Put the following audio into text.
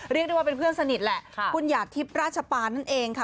เรียกได้ว่าเป็นเพื่อนสนิทแหละคุณหยาดทิพย์ราชปานนั่นเองค่ะ